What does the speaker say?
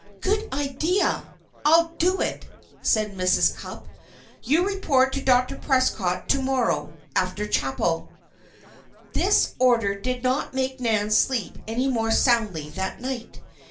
"Good idea! I'll do it," said Mrs. Cupp. "You report to Dr. Prescott to morrow, after chapel." This order did not make Nan sleep any more soundly that night.